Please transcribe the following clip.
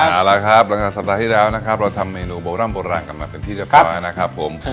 จากสัปดาษ์ที่เดียวทำเมนูโบราณเบอร์ล่างกลับมาเป็นที่แล้วครับ